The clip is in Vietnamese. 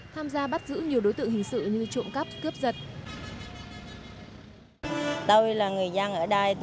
tham gia bắt giữ nhiều đối tượng hình sự như trộm cắp cướp giật